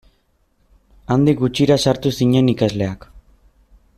Handik gutxira sartu zinen ikasleak.